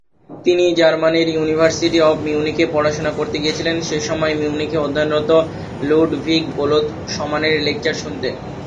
তিনি জার্মানির university of মিউনিখ-এ পড়াশোনা করতে গিয়েছিলেন সেসময় মিউনিখে অধ্যয়নরত লুডভিগ বোলৎসমানের লেকচার শুনতে।